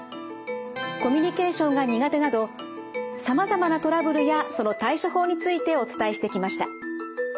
コミュニケーションが苦手などさまざまなトラブルやその対処法についてお伝えしてきました。